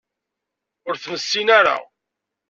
Ur t-nessin ara.